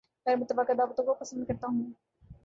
غیر متوقع دعوتوں کو پسند کرتا ہوں